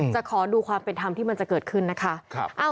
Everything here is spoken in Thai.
ขอดูความเป็นธรรมที่มันจะเกิดขึ้นนะคะ